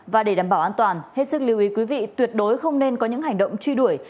và để đảm bảo an toàn hết sức lưu ý quý vị tuyệt đối không nên có những hành động truy đuổi